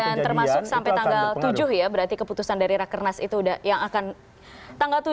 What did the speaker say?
dan termasuk sampai tanggal tujuh ya berarti keputusan dari rakernas itu yang akan